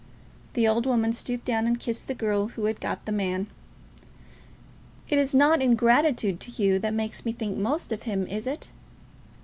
The old woman stooped down and kissed the girl who had got the man. "It is not ingratitude to you that makes me think most of him; is it?"